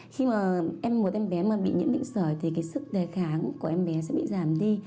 khi mà một em bé bị nhiễm bệnh sời thì cái sức đề kháng của em bé sẽ bị giảm đi